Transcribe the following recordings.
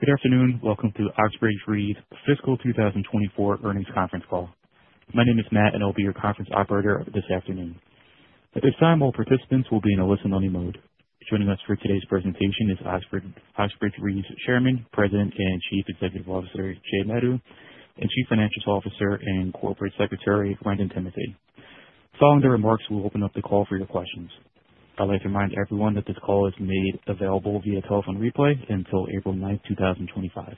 Good afternoon. Welcome to Oxbridge Re Holdings' fiscal 2024 earnings conference call. My name is Matt, and I'll be your conference operator this afternoon. At this time, all participants will be in a listen-only mode. Joining us for today's presentation is Oxbridge Re Holdings' Chairman, President and Chief Executive Officer Jay Madhu, and Chief Financial Officer and Corporate Secretary Wrendon Timothy. Following their remarks, we'll open up the call for your questions. I'd like to remind everyone that this call is made available via telephone replay until April 9th, 2025.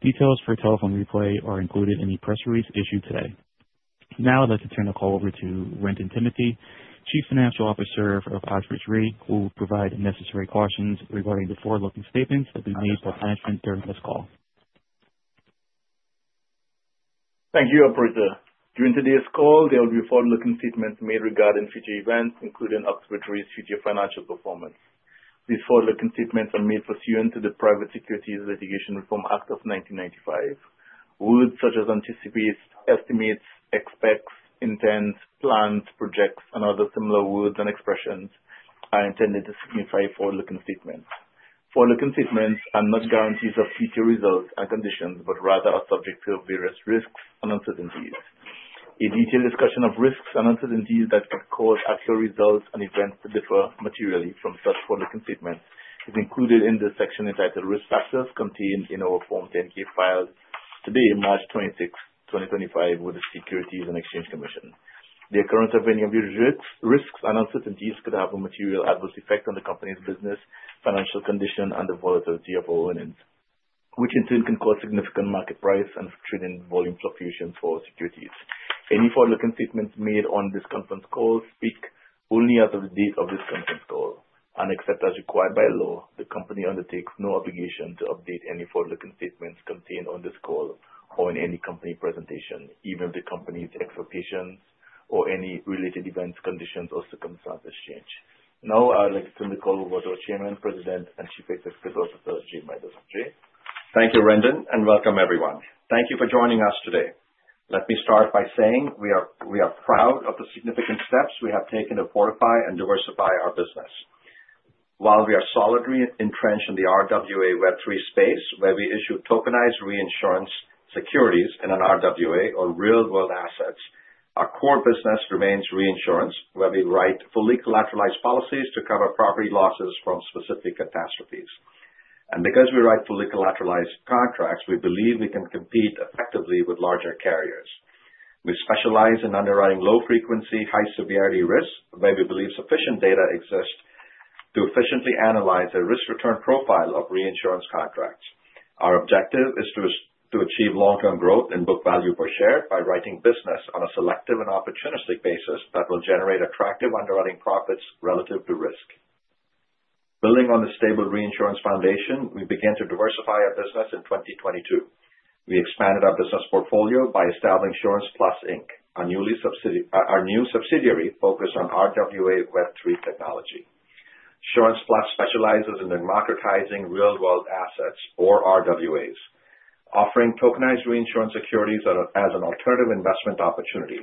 Details for telephone replay are included in the press release issued today. Now, I'd like to turn the call over to Wrendon Timothy, Chief Financial Officer of Oxbridge Re Holdings, who will provide necessary cautions regarding the forward-looking statements that will be made by management during this call. Thank you, Operator. During today's call, there will be forward-looking statements made regarding future events, including Oxbridge Re Holdings' future financial performance. These forward-looking statements are made pursuant to the Private Securities Litigation Reform Act of 1995. Words such as anticipates, estimates, expects, intends, plans, projects, and other similar words and expressions are intended to signify forward-looking statements. Forward-looking statements are not guarantees of future results and conditions, but rather are subject to various risks and uncertainties. A detailed discussion of risks and uncertainties that could cause actual results and events to differ materially from such forward-looking statements is included in the section entitled "Risk Factors contained in our Form 10-K filed" today, March 26th, 2025, with the Securities and Exchange Commission. The occurrence of any of these risks and uncertainties could have a material adverse effect on the company's business, financial condition, and the volatility of our earnings, which in turn can cause significant market price and trading volume fluctuations for our securities. Any forward-looking statements made on this conference call speak only as of the date of this conference call and, except as required by law, the company undertakes no obligation to update any forward-looking statements contained on this call or in any company presentation, even if the company's expectations or any related events, conditions, or circumstances change. Now, I'd like to turn the call over to our Chairman, President and Chief Executive Officer Jay Madhu. Jay. Thank you, Wrendon, and welcome, everyone. Thank you for joining us today. Let me start by saying we are proud of the significant steps we have taken to fortify and diversify our business. While we are solidly entrenched in the RWA Web3 space, where we issue tokenized reinsurance securities in an RWA or real-world assets, our core business remains reinsurance, where we write fully collateralized policies to cover property losses from specific catastrophes. Because we write fully collateralized contracts, we believe we can compete effectively with larger carriers. We specialize in underwriting low-frequency, high-severity risks, where we believe sufficient data exists to efficiently analyze the risk-return profile of reinsurance contracts. Our objective is to achieve long-term growth and book value per share by writing business on a selective and opportunistic basis that will generate attractive underwriting profits relative to risk. Building on the stable reinsurance foundation, we began to diversify our business in 2022. We expanded our business portfolio by establishing SurancePlus Inc, our new subsidiary focused on RWA Web3 technology. SurancePlus specializes in democratizing real-world assets, or RWAs, offering tokenized reinsurance securities as an alternative investment opportunity.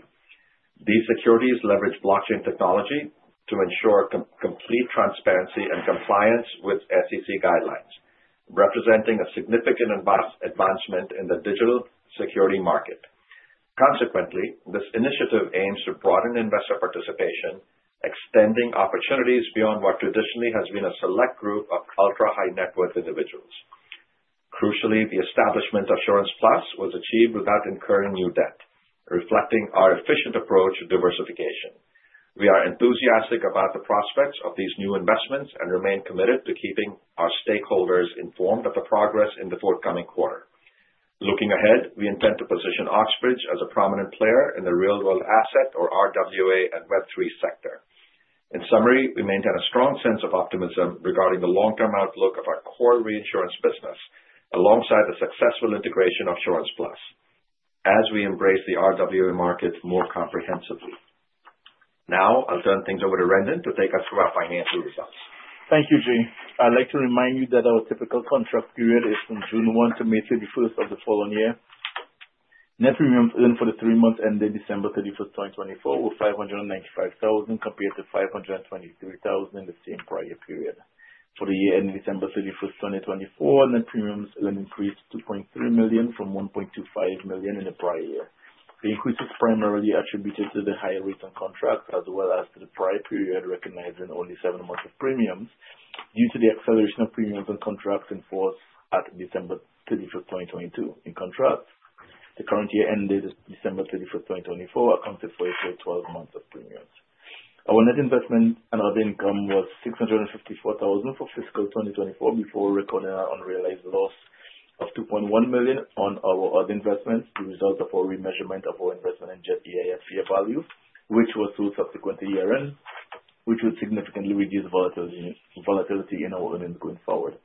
These securities leverage blockchain technology to ensure complete transparency and compliance with SEC guidelines, representing a significant advancement in the digital security market. Consequently, this initiative aims to broaden investor participation, extending opportunities beyond what traditionally has been a select group of ultra-high-net-worth individuals. Crucially, the establishment of SurancePlus was achieved without incurring new debt, reflecting our efficient approach to diversification. We are enthusiastic about the prospects of these new investments and remain committed to keeping our stakeholders informed of the progress in the forthcoming quarter. Looking ahead, we intend to position Oxbridge as a prominent player in the real-world asset, or RWA, and Web3 sector. In summary, we maintain a strong sense of optimism regarding the long-term outlook of our core reinsurance business alongside the successful integration of SurancePlus as we embrace the RWA market more comprehensively. Now, I'll turn things over to Wrendon to take us through our financial results. Thank you, Jay. I'd like to remind you that our typical contract period is from June 1 to May 31st of the following year. Net premiums earned for the three months ended December 31st, 2024, were $595,000 compared to $523,000 in the same prior period. For the year ending December 31st, 2024, net premiums earned increased to $2.3 million from $1.25 million in the prior year. The increase is primarily attributed to the higher rates on contracts as well as to the prior period recognizing only seven months of premiums due to the acceleration of premiums on contracts in force at December 31, 2022. In contrast, the current year ended December 31st, 2024, accounted for a full 12 months of premiums. Our net investment and other income was $654,000 for fiscal 2024 before recording an unrealized loss of $2.1 million on our other investments as a result of our remeasurement of our investment in Jet.AI at fair value, which was sold subsequent to year-end, which would significantly reduce volatility in our earnings going forward.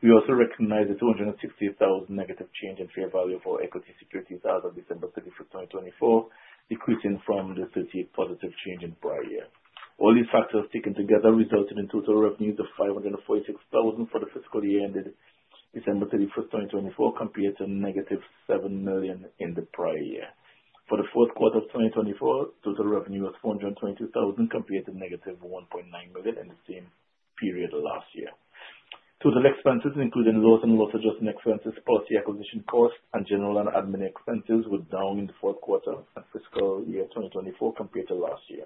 We also recognize a $268,000 negative change in fair value of our equity securities as of December 31st, 2024, decreasing from the 38% positive change in the prior year. All these factors taken together resulted in total revenues of $546,000 for the fiscal year ended December 31st, 2024, compared to a negative $7 million in the prior year. For the fourth quarter of 2024, total revenue was $422,000 compared to a negative $1.9 million in the same period last year. Total expenses, including loss and loss-adjusted expenses, policy acquisition costs, and general and admin expenses, were down in the fourth quarter and fiscal year 2024 compared to last year.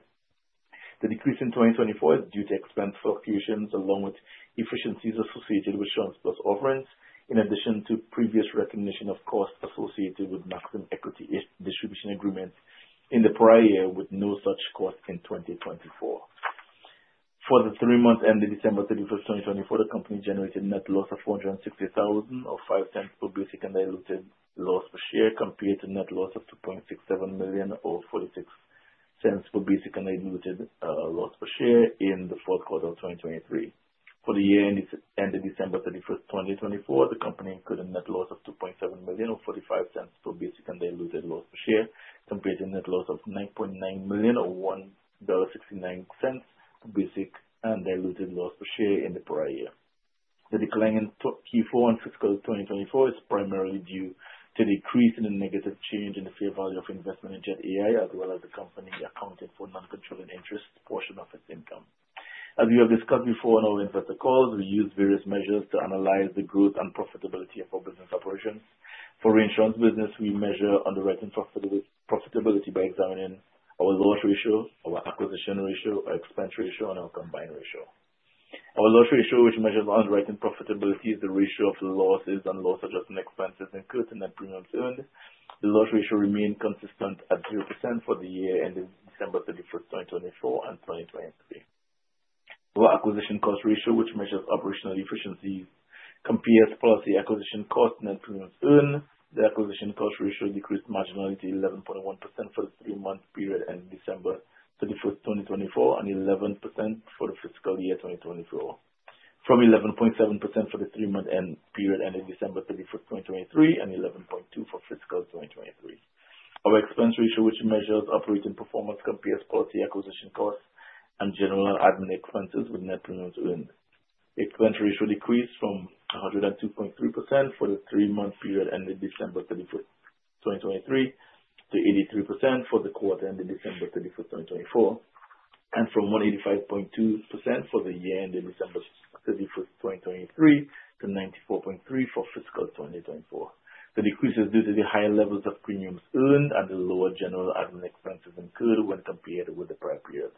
The decrease in 2024 is due to expense fluctuations along with efficiencies associated with SurancePlus offerings, in addition to previous recognition of costs associated with Maxim equity distribution agreements in the prior year with no such costs in 2024. For the three months ended December 31st, 2024, the company generated net loss of $460,000 or $0.05 per basic and diluted loss per share compared to net loss of $2.67 million or $0.46 per basic and diluted loss per share in the fourth quarter of 2023. For the year ended December 31st, 2024, the company incurred a net loss of $2.7 million or $0.45 per basic and diluted loss per share compared to a net loss of $9.9 million or $1.69 per basic and diluted loss per share in the prior year. The decline in Q4 and fiscal 2024 is primarily due to the increase in the negative change in the fair value of investment in Jet.AI, as well as the company accounting for non-controlling interest portion of its income. As we have discussed before in our investor calls, we use various measures to analyze the growth and profitability of our business operations. For reinsurance business, we measure underwriting profitability by examining our loss ratio, our acquisition ratio, our expense ratio, and our combined ratio. Our loss ratio, which measures underwriting profitability, is the ratio of losses and loss-adjusted expenses incurred to net premiums earned. The loss ratio remained consistent at 0% for the year ended December 31st, 2024, and 2023. Our acquisition cost ratio, which measures operational efficiencies, compares policy acquisition cost to net premiums earned. The acquisition cost ratio decreased marginally to 11.1% for the three-month period ended December 31st, 2024, and 11% for the fiscal year 2024, from 11.7% for the three-month period ended December 31st, 2023, and 11.2% for fiscal 2023. Our expense ratio, which measures operating performance, compares policy acquisition cost and general and admin expenses with net premiums earned. The expense ratio decreased from 102.3% for the three-month period ended December 31st, 2023, to 83% for the quarter ended December 31st, 2024, and from 185.2% for the year ended December 31st, 2023, to 94.3% for fiscal 2024. The decrease is due to the higher levels of premiums earned and the lower general and admin expenses incurred when compared with the prior period.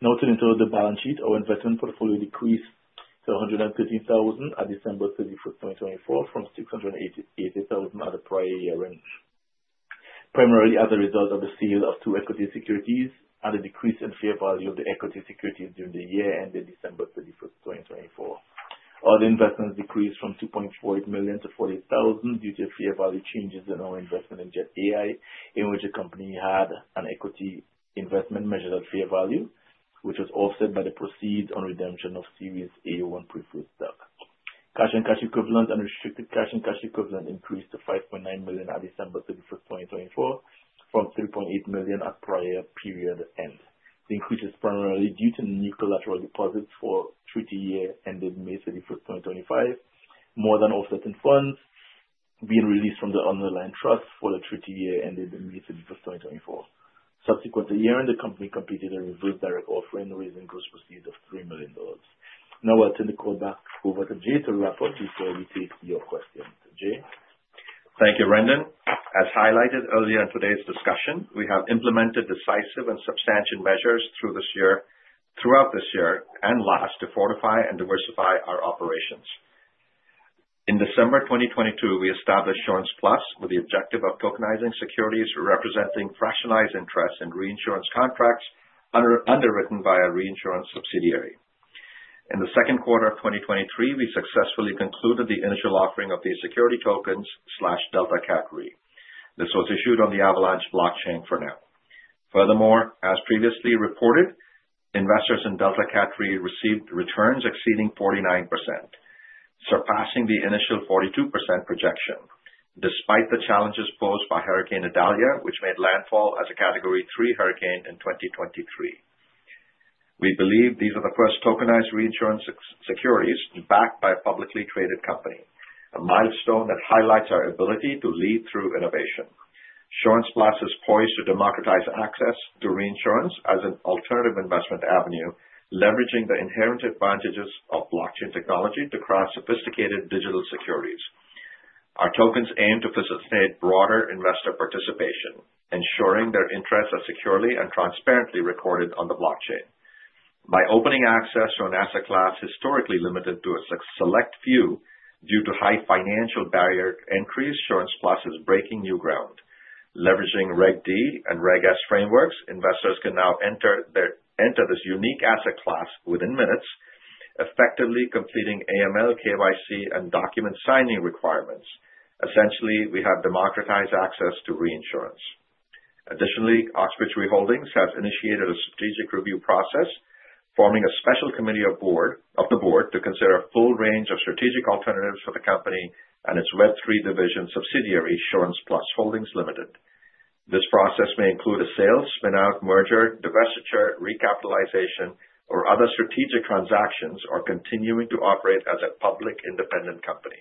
Note into the balance sheet, our investment portfolio decreased to $113,000 at December 31st, 2024, from $680,000 at the prior year range, primarily as a result of the sale of two equity securities and the decrease in fair value of the equity securities during the year ended December 31st, 2024. Our investments decreased from $2.48 million to $48,000 due to fair value changes in our investment in Jet.AI, in which the company had an equity investment measured at fair value, which was offset by the proceeds on redemption of Series A-1 preferred stock. Cash and cash equivalent and restricted cash and cash equivalent increased to $5.9 million at December 31st, 2024, from $3.8 million at prior period end. The increase is primarily due to new collateral deposits for the treaty year ended May 31, 2025, more than offset in funds being released from the underlying trust for the treaty year ended May 31, 2024. Subsequent to year-end, the company completed a registered direct offering, raising gross proceeds of $3 million. Now, I'll turn the call back over to Jay to wrap up before we take your questions. Jay. Thank you, Wrendon. As highlighted earlier in today's discussion, we have implemented decisive and substantial measures throughout this year and last to fortify and diversify our operations. In December 2022, we established SurancePlus with the objective of tokenizing securities representing fractionalized interest in reinsurance contracts underwritten by a reinsurance subsidiary. In the second quarter of 2023, we successfully concluded the initial offering of these security tokens/DeltaCat Re. This was issued on the Avalanche Blockchain for now. Furthermore, as previously reported, investors in DeltaCat Re received returns exceeding 49%, surpassing the initial 42% projection, despite the challenges posed by Hurricane Idalia, which made landfall as a Category 3 hurricane in 2023. We believe these are the first tokenized reinsurance securities backed by a publicly traded company, a milestone that highlights our ability to lead through innovation. SurancePlus is poised to democratize access to reinsurance as an alternative investment avenue, leveraging the inherent advantages of blockchain technology to craft sophisticated digital securities. Our tokens aim to facilitate broader investor participation, ensuring their interests are securely and transparently recorded on the blockchain. By opening access to an asset class historically limited to a select few due to high financial barrier entry, SurancePlus is breaking new ground. Leveraging Reg D and Reg S frameworks, investors can now enter this unique asset class within minutes, effectively completing AML, KYC, and document signing requirements. Essentially, we have democratized access to reinsurance. Additionally, Oxbridge Re Holdings has initiated a strategic review process, forming a special committee of the board to consider a full range of strategic alternatives for the company and its Web3 division subsidiary, SurancePlus Holdings Limited. This process may include a sale, spin-out, merger, divestiture, recapitalization, or other strategic transactions, or continuing to operate as a public independent company.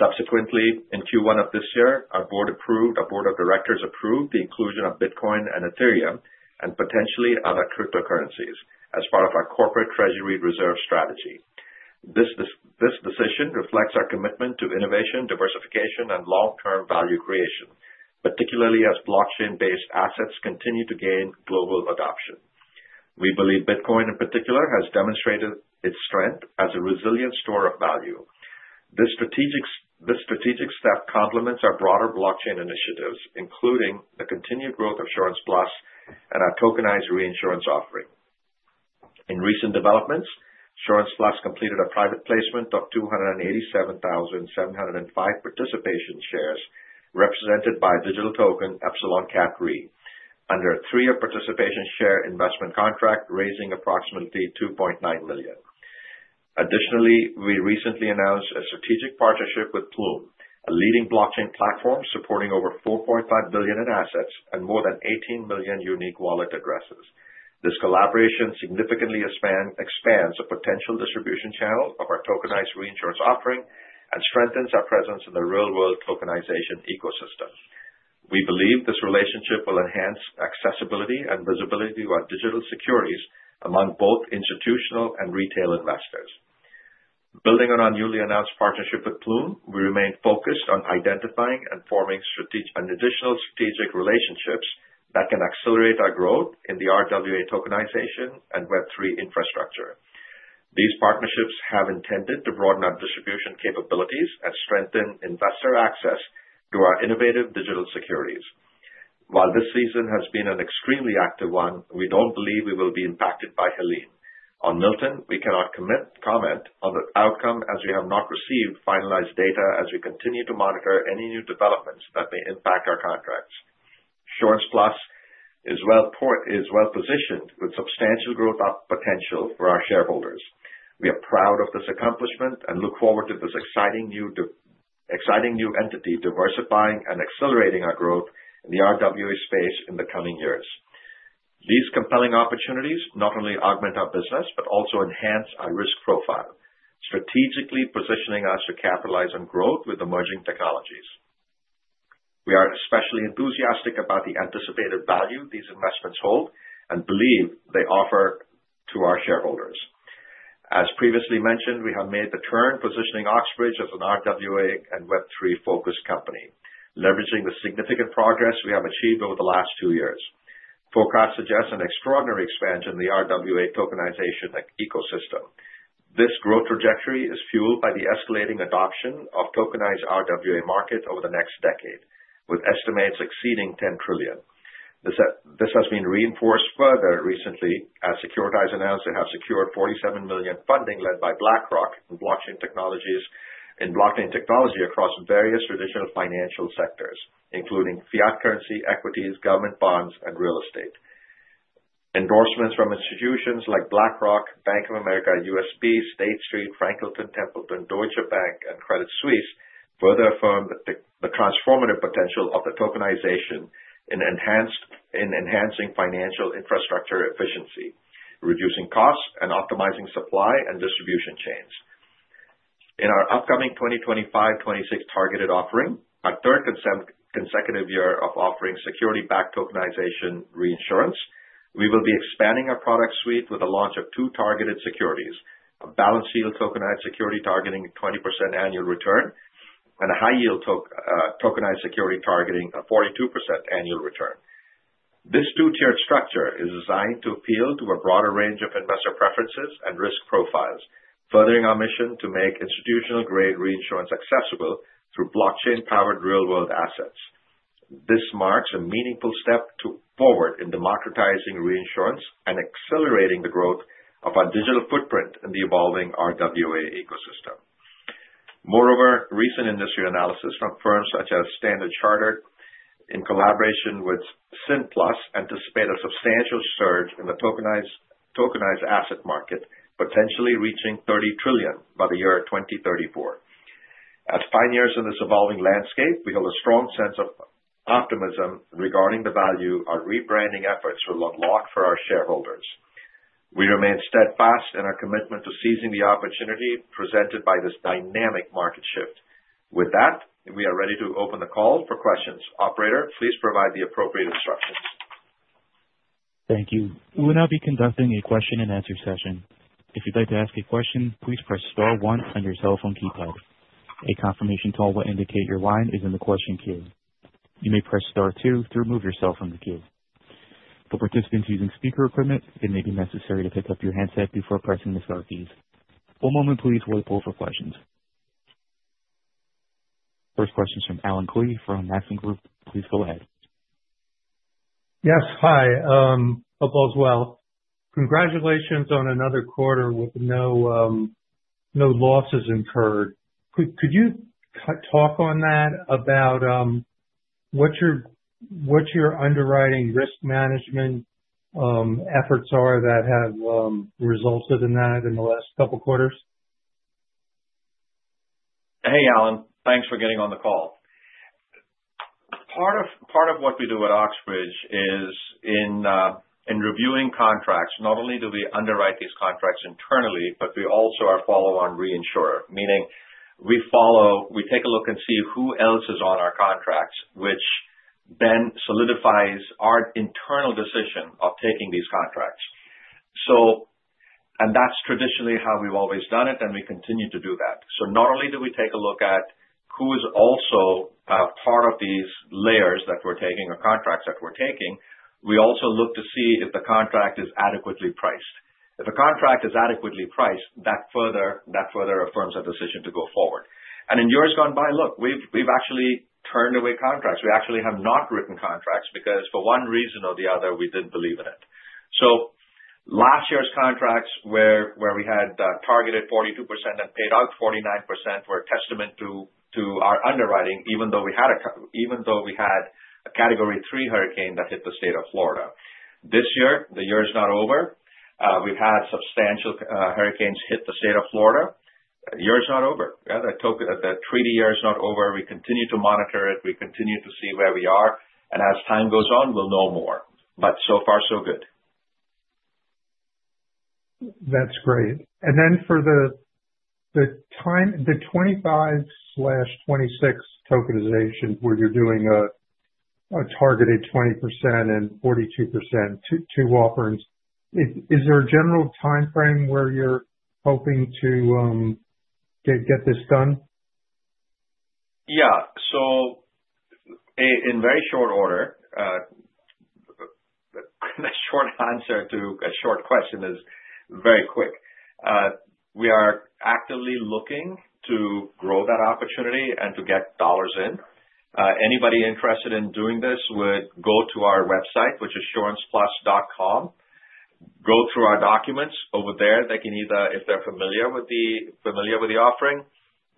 Subsequently, in Q1 of this year, our board of directors approved the inclusion of Bitcoin and Ethereum and potentially other cryptocurrencies as part of our corporate treasury reserve strategy. This decision reflects our commitment to innovation, diversification, and long-term value creation, particularly as blockchain-based assets continue to gain global adoption. We believe Bitcoin, in particular, has demonstrated its strength as a resilient store of value. This strategic step complements our broader blockchain initiatives, including the continued growth of SurancePlus and our tokenized reinsurance offering. In recent developments, SurancePlus completed a private placement of 287,705 participation shares represented by a digital token, EpsilonCat Re, under a three-year participation share investment contract, raising approximately $2.9 million. Additionally, we recently announced a strategic partnership with Plume, a leading blockchain platform supporting over $4.5 billion in assets and more than 18 million unique wallet addresses. This collaboration significantly expands the potential distribution channel of our tokenized reinsurance offering and strengthens our presence in the real-world tokenization ecosystem. We believe this relationship will enhance accessibility and visibility of our digital securities among both institutional and retail investors. Building on our newly announced partnership with Plume, we remain focused on identifying and forming additional strategic relationships that can accelerate our growth in the RWA tokenization and Web3 infrastructure. These partnerships have intended to broaden our distribution capabilities and strengthen investor access to our innovative digital securities. While this season has been an extremely active one, we don't believe we will be impacted by Helene. On Milton, we cannot comment on the outcome as we have not received finalized data as we continue to monitor any new developments that may impact our contracts. SurancePlus is well-positioned with substantial growth potential for our shareholders. We are proud of this accomplishment and look forward to this exciting new entity diversifying and accelerating our growth in the RWA space in the coming years. These compelling opportunities not only augment our business but also enhance our risk profile, strategically positioning us to capitalize on growth with emerging technologies. We are especially enthusiastic about the anticipated value these investments hold and believe they offer to our shareholders. As previously mentioned, we have made the turn, positioning Oxbridge as an RWA and Web3-focused company, leveraging the significant progress we have achieved over the last two years. Forecasts suggest an extraordinary expansion in the RWA tokenization ecosystem. This growth trajectory is fueled by the escalating adoption of the tokenized RWA market over the next decade, with estimates exceeding $10 trillion. This has been reinforced further recently as Securitize announced they have secured $47 million funding led by BlackRock in blockchain technology across various traditional financial sectors, including fiat currency, equities, government bonds, and real estate. Endorsements from institutions like BlackRock, Bank of America, UBS, State Street, Franklin Templeton, Deutsche Bank, and Credit Suisse further affirm the transformative potential of the tokenization in enhancing financial infrastructure efficiency, reducing costs, and optimizing supply and distribution chains. In our upcoming 2025-2026 targeted offering, our third consecutive year of offering security-backed tokenization reinsurance, we will be expanding our product suite with the launch of two targeted securities: a balanced-yield tokenized security targeting 20% annual return and a high-yield tokenized security targeting a 42% annual return. This two-tiered structure is designed to appeal to a broader range of investor preferences and risk profiles, furthering our mission to make institutional-grade reinsurance accessible through blockchain-powered real-world assets. This marks a meaningful step forward in democratizing reinsurance and accelerating the growth of our digital footprint in the evolving RWA ecosystem. Moreover, recent industry analysis from firms such as Standard Chartered, in collaboration with SurancePlus, anticipate a substantial surge in the tokenized asset market, potentially reaching $30 trillion by the year 2034. As pioneers in this evolving landscape, we hold a strong sense of optimism regarding the value our rebranding efforts will unlock for our shareholders. We remain steadfast in our commitment to seizing the opportunity presented by this dynamic market shift. With that, we are ready to open the call for questions. Operator, please provide the appropriate instructions. Thank you. We will now be conducting a question-and-answer session. If you'd like to ask a question, please press star one on your cell phone keypad. A confirmation call will indicate your line is in the question queue. You may press star two to remove yourself from the queue. For participants using speaker equipment, it may be necessary to pick up your handset before pressing the star keys. One moment, please, while we pull for questions. First question is from Allen Klee from Maxim Group. Please go ahead. Yes. Hi. Hope all's well. Congratulations on another quarter with no losses incurred. Could you talk on that about what your underwriting risk management efforts are that have resulted in that in the last couple of quarters? Hey, Allen. Thanks for getting on the call. Part of what we do at Oxbridge is, in reviewing contracts, not only do we underwrite these contracts internally, but we also are follow-on reinsurer, meaning we take a look and see who else is on our contracts, which then solidifies our internal decision of taking these contracts. That's traditionally how we've always done it, and we continue to do that. Not only do we take a look at who is also part of these layers that we're taking or contracts that we're taking, we also look to see if the contract is adequately priced. If a contract is adequately priced, that further affirms our decision to go forward. In years gone by, we've actually turned away contracts. We actually have not written contracts because, for one reason or the other, we didn't believe in it. Last year's contracts, where we had targeted 42% and paid out 49%, were a testament to our underwriting, even though we had a Category 3 hurricane that hit the state of Florida. This year, the year is not over. We've had substantial hurricanes hit the state of Florida. The year is not over. The treaty year is not over. We continue to monitor it. We continue to see where we are. As time goes on, we'll know more. So far, so good. That's great. For the 2025/2026 tokenization, where you're doing a targeted 20% and 42% two-offering, is there a general timeframe where you're hoping to get this done? Yeah. In very short order, a short answer to a short question is very quick. We are actively looking to grow that opportunity and to get dollars in. Anybody interested in doing this would go to our website, which is suranceplus.com. Go through our documents over there. If they're familiar with the offering,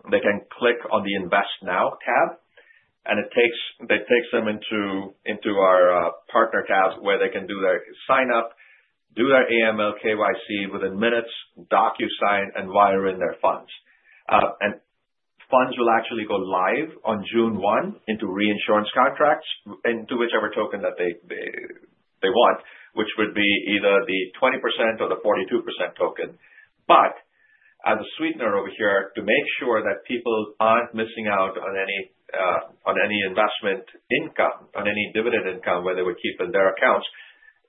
they can click on the Invest Now tab, and it takes them into our partner tabs where they can do their sign-up, do their AML, KYC within minutes, DocuSign, and wire in their funds. Funds will actually go live on June 1 into reinsurance contracts, into whichever token that they want, which would be either the 20% or the 42% token. As a sweetener over here, to make sure that people are not missing out on any investment income, on any dividend income where they would keep in their accounts,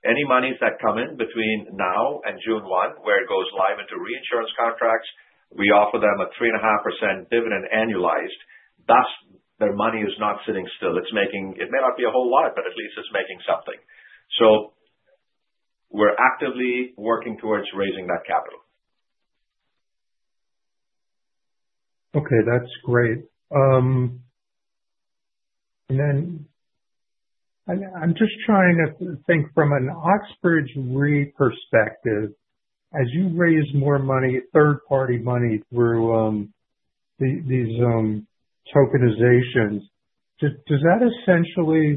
any monies that come in between now and June 1, where it goes live into reinsurance contracts, we offer them a 3.5% dividend annualized. Thus, their money is not sitting still. It may not be a whole lot, but at least it is making something. We are actively working towards raising that capital. Okay. That's great. I am just trying to think from an Oxbridge Re perspective, as you raise more money, third-party money through these tokenizations, does that essentially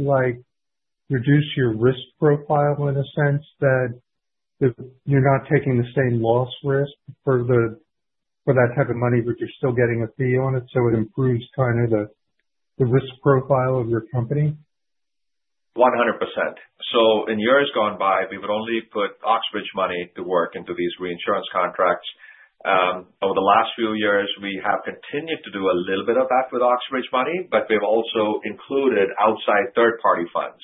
reduce your risk profile in a sense that you are not taking the same loss risk for that type of money, but you are still getting a fee on it? It improves kind of the risk profile of your company? 100%. In years gone by, we would only put Oxbridge money to work into these reinsurance contracts. Over the last few years, we have continued to do a little bit of that with Oxbridge money, but we have also included outside third-party funds.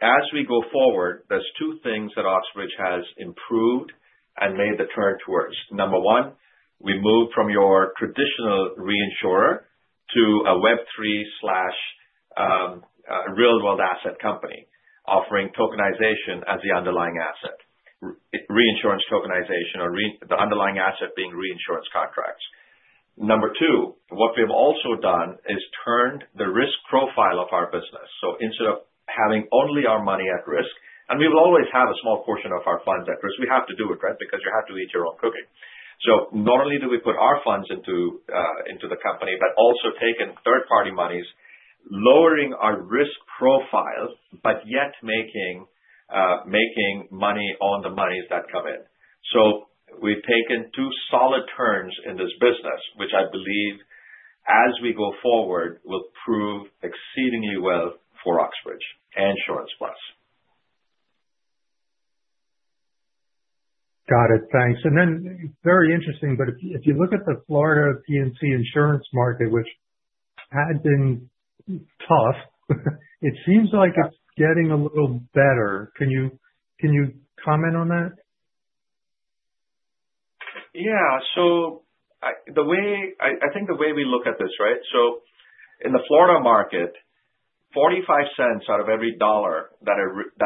As we go forward, there are two things that Oxbridge has improved and made the turn towards. Number one, we moved from your traditional reinsurer to a Web3/real-world asset company offering tokenization as the underlying asset, reinsurance tokenization, or the underlying asset being reinsurance contracts. Number two, what we have also done is turned the risk profile of our business. Instead of having only our money at risk, and we will always have a small portion of our funds at risk, we have to do it, right, because you have to eat your own cooking. Not only do we put our funds into the company, but also take in third-party monies, lowering our risk profile, but yet making money on the monies that come in. We have taken two solid turns in this business, which I believe, as we go forward, will prove exceedingly well for Oxbridge and SurancePlus. Got it. Thanks. Very interesting, but if you look at the Florida P&C insurance market, which had been tough, it seems like it's getting a little better. Can you comment on that? Yeah. I think the way we look at this, right, in the Florida market, $0.45 cents out of every dollar that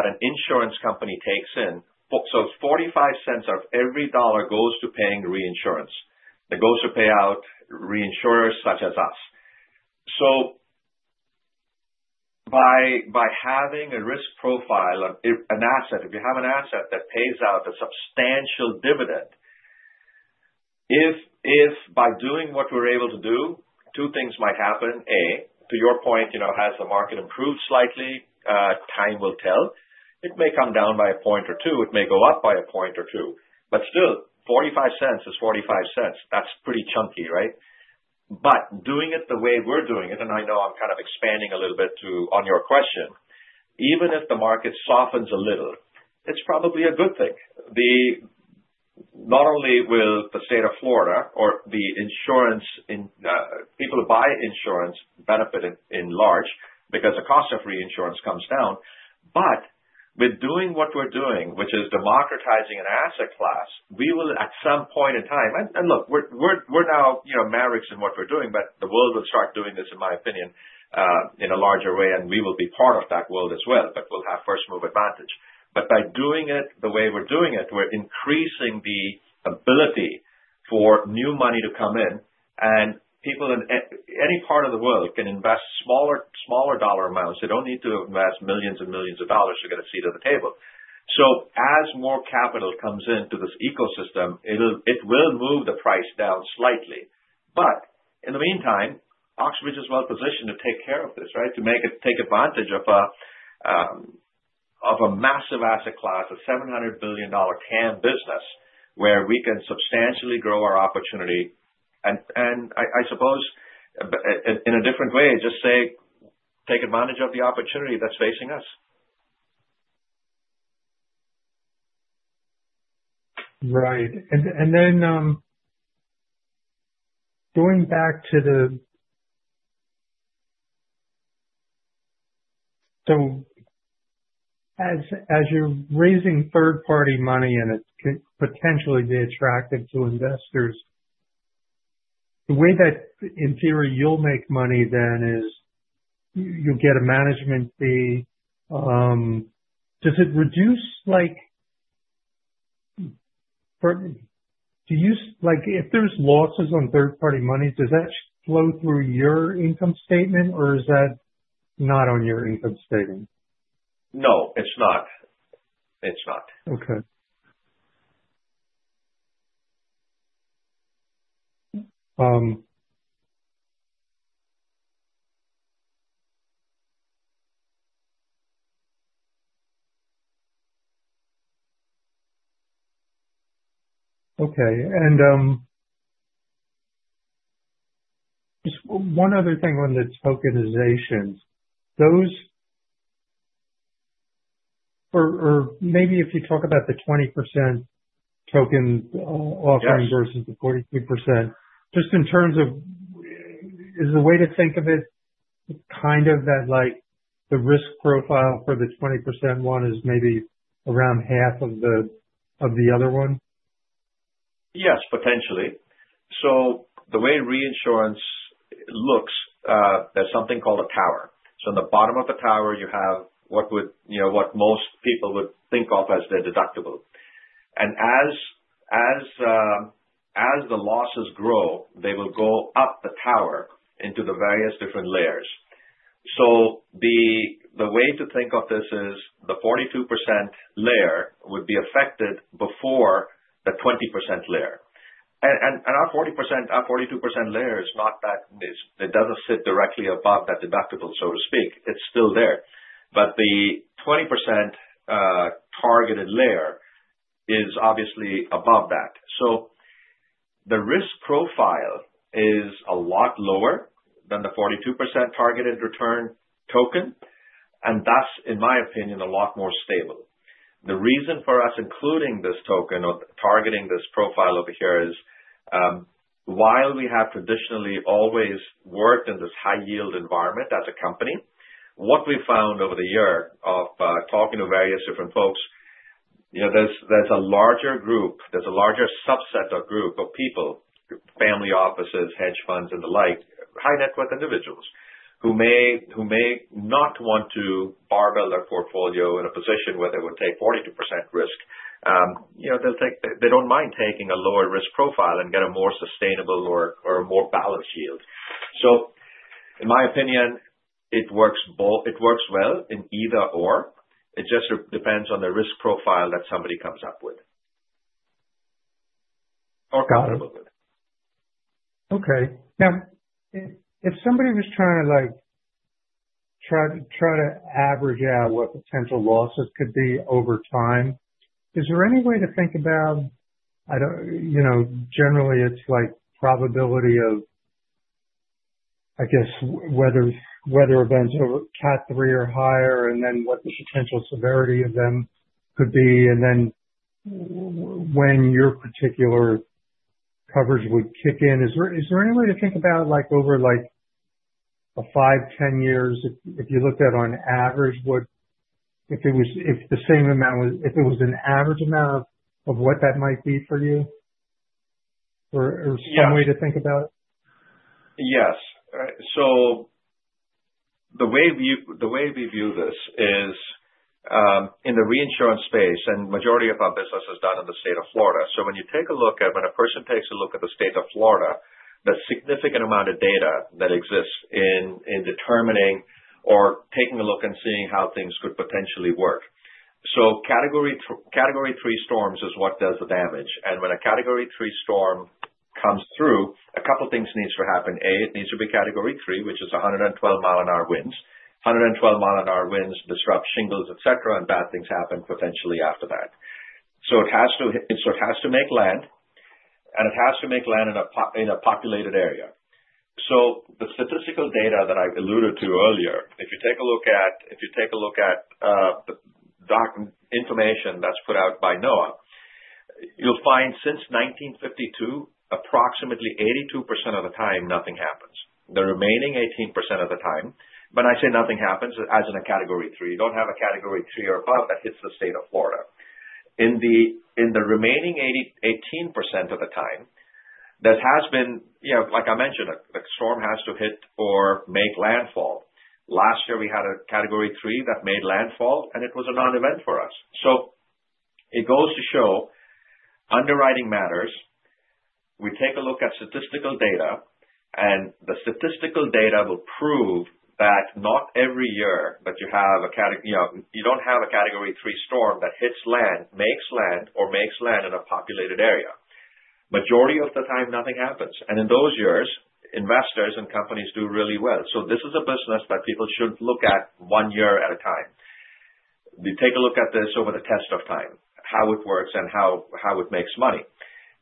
an insurance company takes in, $0.45 cents out of every dollar goes to paying reinsurance. It goes to pay out reinsurers such as us. By having a risk profile, an asset, if you have an asset that pays out a substantial dividend, if by doing what we're able to do, two things might happen. A, to your point, has the market improved slightly? Time will tell. It may come down by a point or two. It may go up by a point or two. Still, $0.45 cents is $0.45 cents. That's pretty chunky, right? Doing it the way we're doing it, and I know I'm kind of expanding a little bit on your question, even if the market softens a little, it's probably a good thing. Not only will the state of Florida or the insurance people who buy insurance benefit in large because the cost of reinsurance comes down, but with doing what we're doing, which is democratizing an asset class, we will, at some point in time, and look, we're now Mavericks in what we're doing, but the world will start doing this, in my opinion, in a larger way, and we will be part of that world as well, but we'll have first-move advantage. By doing it the way we're doing it, we're increasing the ability for new money to come in, and people in any part of the world can invest smaller dollar amounts. They do not need to invest millions and millions of dollars to get a seat at the table. As more capital comes into this ecosystem, it will move the price down slightly. In the meantime, Oxbridge is well-positioned to take care of this, right, to take advantage of a massive asset class, a $700 billion TAM business, where we can substantially grow our opportunity. I suppose, in a different way, just say, "Take advantage of the opportunity that is facing us. Right. Going back to the so as you're raising third-party money and it could potentially be attractive to investors, the way that, in theory, you'll make money then is you'll get a management fee. Does it reduce if there's losses on third-party money, does that flow through your income statement, or is that not on your income statement? No, it's not. It's not. Okay. Okay. Just one other thing on the tokenization. Maybe if you talk about the 20% token offering versus the 42%, just in terms of is the way to think of it kind of that the risk profile for the 20% one is maybe around half of the other one? Yes, potentially. The way reinsurance looks, there's something called a tower. In the bottom of the tower, you have what most people would think of as their deductible. As the losses grow, they will go up the tower into the various different layers. The way to think of this is the 42% layer would be affected before the 20% layer. Our 42% layer is not that it does not sit directly above that deductible, so to speak. It's still there. The 20% targeted layer is obviously above that. The risk profile is a lot lower than the 42% targeted return token, and thus, in my opinion, a lot more stable. The reason for us including this token or targeting this profile over here is, while we have traditionally always worked in this high-yield environment as a company, what we found over the year of talking to various different folks, there's a larger group, there's a larger subset of group of people, family offices, hedge funds, and the like, high-net-worth individuals who may not want to barbell their portfolio in a position where they would take 42% risk. They don't mind taking a lower risk profile and get a more sustainable or a more balanced yield. In my opinion, it works well in either/or. It just depends on the risk profile that somebody comes up with or comfortable with. Got it. Okay. Now, if somebody was trying to average out what potential losses could be over time, is there any way to think about generally it's probability of, I guess, weather events over Cat 3 or higher, and then what the potential severity of them could be, and then when your particular coverage would kick in? Is there any way to think about over 5, 10 years, if you looked at on average, if the same amount was if it was an average amount of what that might be for you? Or some way to think about it? Yes. The way we view this is, in the reinsurance space, and the majority of our business is done in the state of Florida. When you take a look at, when a person takes a look at the state of Florida, there is a significant amount of data that exists in determining or taking a look and seeing how things could potentially work. Category 3 storms is what does the damage. When a Category 3 storm comes through, a couple of things need to happen. A, it needs to be Category 3, which is 112 mile-an-hour winds. 112 mile-an-hour winds disrupt shingles, etc., and bad things happen potentially after that. It has to make land, and it has to make land in a populated area. The statistical data that I alluded to earlier, if you take a look at the information that's put out by NOAA, you'll find since 1952, approximately 82% of the time, nothing happens. The remaining 18% of the time, when I say nothing happens, as in a Category 3, you don't have a Category 3 or above that hits the state of Florida. In the remaining 18% of the time, there has been, like I mentioned, a storm has to hit or make landfall. Last year, we had a Category 3 that made landfall, and it was a non-event for us. It goes to show underwriting matters. We take a look at statistical data, and the statistical data will prove that not every year you have a Category 3 storm that hits land, makes land, or makes land in a populated area. Majority of the time, nothing happens. In those years, investors and companies do really well. This is a business that people should look at one year at a time. You take a look at this over the test of time, how it works and how it makes money.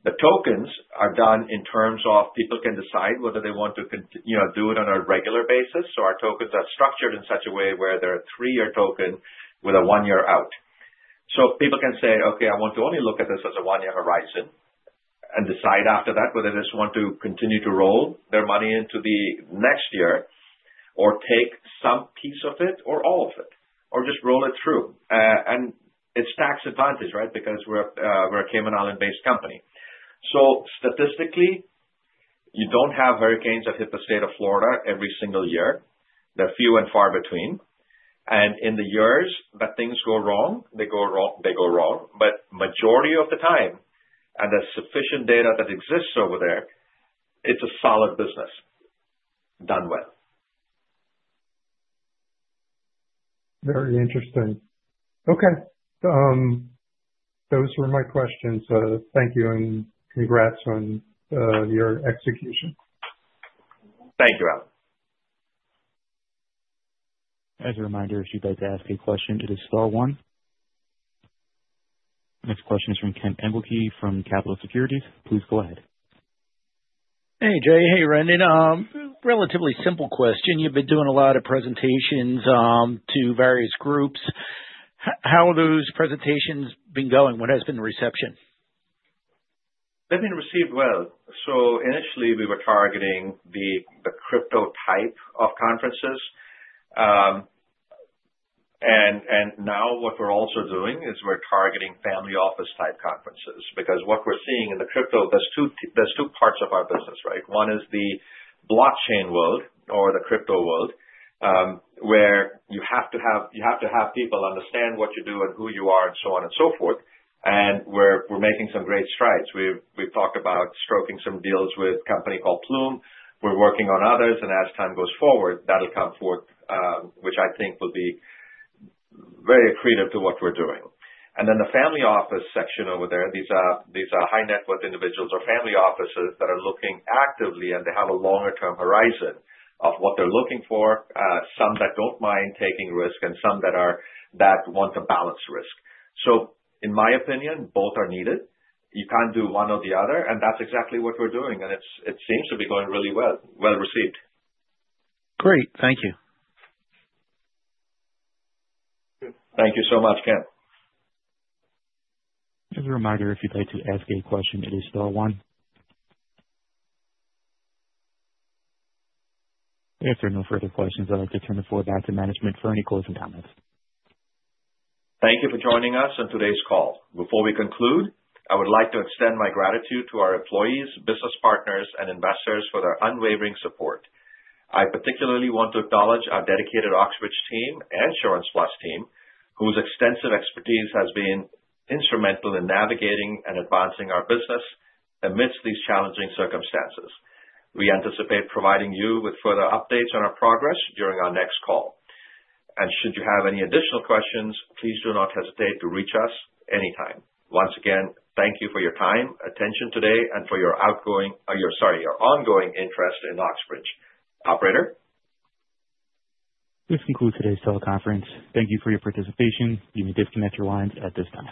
The tokens are done in terms of people can decide whether they want to do it on a regular basis. Our tokens are structured in such a way where there are three-year tokens with a one-year out. People can say, "Okay, I want to only look at this as a one-year horizon and decide after that whether they just want to continue to roll their money into the next year or take some piece of it or all of it or just roll it through." It is tax advantage, right, because we are a Cayman Islands-based company. Statistically, you do not have hurricanes that hit the state of Florida every single year. They are few and far between. In the years that things go wrong, they go wrong, but majority of the time, and there is sufficient data that exists over there, it is a solid business done well. Very interesting. Okay. Those were my questions. Thank you, and congrats on your execution. Thank you, Allen. As a reminder, if you'd like to ask a question, it is star one. Next question is from Kent Engelke from Capitol Securities. Please go ahead. Hey, Jay. Hey, Wrendon. Relatively simple question. You've been doing a lot of presentations to various groups. How have those presentations been going? What has been the reception? They've been received well. Initially, we were targeting the crypto type of conferences. Now what we're also doing is we're targeting family office-type conferences because what we're seeing in the crypto, there's two parts of our business, right? One is the blockchain world or the crypto world, where you have to have people understand what you do and who you are and so on and so forth. We're making some great strides. We've talked about stroking some deals with a company called Plume. We're working on others, and as time goes forward, that'll come forth, which I think will be very accretive to what we're doing. The family office section over there, these are high-net-worth individuals or family offices that are looking actively, and they have a longer-term horizon of what they're looking for, some that do not mind taking risk and some that want to balance risk. In my opinion, both are needed. You cannot do one or the other, and that is exactly what we are doing, and it seems to be going really well, well-received. Great. Thank you. Thank you so much, Kent. As a reminder, if you'd like to ask a question, it is Star One. If there are no further questions, I'd like to turn the floor back to management for any closing comments. Thank you for joining us on today's call. Before we conclude, I would like to extend my gratitude to our employees, business partners, and investors for their unwavering support. I particularly want to acknowledge our dedicated Oxbridge team and SurancePlus team, whose extensive expertise has been instrumental in navigating and advancing our business amidst these challenging circumstances. We anticipate providing you with further updates on our progress during our next call. Should you have any additional questions, please do not hesitate to reach us anytime. Once again, thank you for your time, attention today, and for your ongoing interest in Oxbridge. Operator. This concludes today's teleconference. Thank you for your participation. You may disconnect your lines at this time.